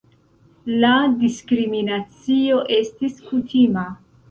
La diskriminacio estis kutima.